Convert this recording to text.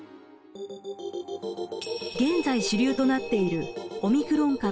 現在主流となっているオミクロン株ＢＡ．５。